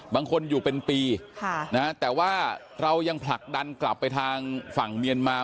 บางคนอยู่เป็นปีแต่ว่าเรายังผลักดันกลับไปทางฝั่งเมียนมา